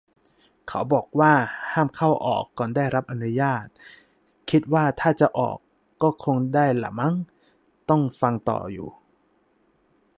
เขาบอกว่า ห้ามเข้าออก ก่อนได้รับอนุญาต คิดว่าถ้าจะออก ก็คงได้ล่ะมั้ง รอฟังต่ออยู่